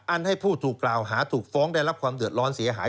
ให้ผู้ถูกกล่าวหาถูกฟ้องได้รับความเดือดร้อนเสียหาย